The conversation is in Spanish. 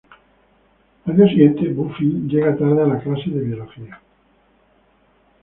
Al día siguiente Buffy llega tarde a la clase de biología.